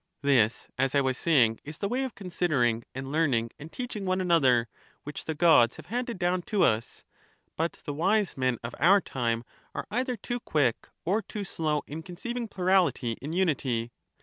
This, as I was saying, is the way of considering and learning and teaching one another, which the gods have handed down to us. But the wise men 17 of our time are either too quick or too slow in conceiving plurality in unity.